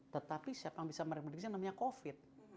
tetapi siapa yang bisa mereprediksi namanya covid